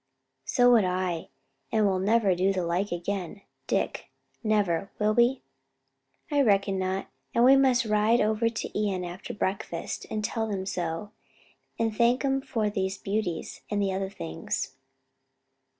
"So would I: and we'll never do the like again, Dick, never; will we?" "I reckon not: and we must ride over to Ion after breakfast, and tell 'em so, and thank 'em for these beauties and the other things."